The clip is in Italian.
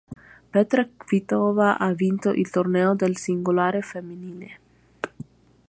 Petra Kvitová ha vinto il torneo del singolare femminile.